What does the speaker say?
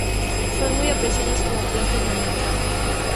Son muy apreciadas como planta ornamental.